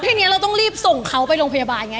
ทีนี้เราต้องรีบส่งเขาไปโรงพยาบาลไง